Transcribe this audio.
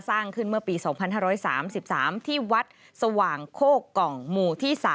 สร้างขึ้นเมื่อปี๒๕๓๓ที่วัดสว่างโคกล่องหมู่ที่๓